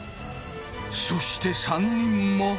そして３人も。